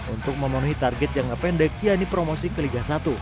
untuk memenuhi target jangka pendek yaitu promosi ke liga satu